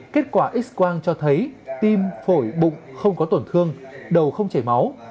kết quả x quang cho thấy tim phổi bụng không có tổn thương đầu không chảy máu